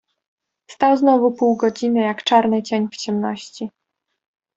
"Stał znowu pół godziny, jak czarny cień w ciemności."